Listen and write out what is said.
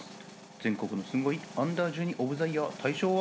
全国のすんごいアンダー１２オブ・ザ・イヤー大賞は。